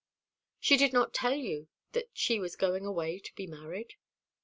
"She did not tell you that she was going away to be married?"